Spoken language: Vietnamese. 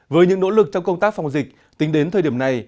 với những nỗ lực trong công tác phòng dịch tính đến thời điểm này